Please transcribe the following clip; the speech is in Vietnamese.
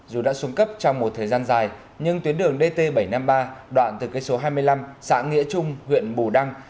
dù đã xuống cấp trong một thời gian dài nhưng tuyến đường dt bảy trăm năm mươi ba đoạn từ cây số hai mươi năm xã nghĩa trung huyện bù đăng